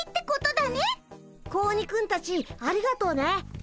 子鬼くんたちありがとうね。